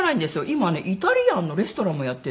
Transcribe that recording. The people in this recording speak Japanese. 今ねイタリアンのレストランもやってるの。